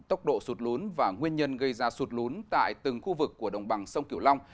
tốc độ sụt lún và nguyên nhân gây ra sụt lún tại từng khu vực của đồng bằng sông kiểu long